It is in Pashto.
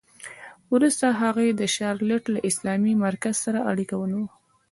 وروسته هغې د شارليټ له اسلامي مرکز سره اړیکه ونیوه